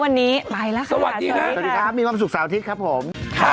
วันนี้ไปแล้วค่ะสวัสดีค่ะสวัสดีครับมีความสุขเสาร์อาทิตย์ครับผม